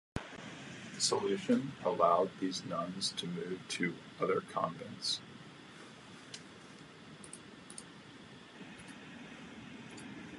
Dissolution allowed these nuns to move to other convents.